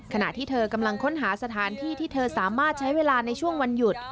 ขณะที่เธอกำลังค้นหาสถานที่ที่เธอสามารถใช้เวลาในช่วงวันหยุด